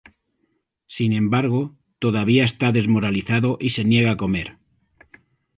Sin embargo, todavía está desmoralizado y se niega a comer.